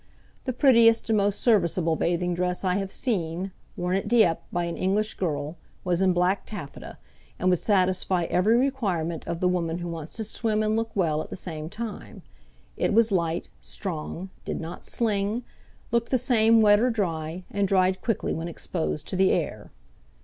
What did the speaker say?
The prettiest and most serviceable bathing dress I have seen, worn at Dieppe by an English girl, was in black taffeta, and would satisfy every requirement of the woman who wants to swim and look well at the same time. It was light, strong, did not sling, looked the same wet or dry, and dried quickly when exposed to the air.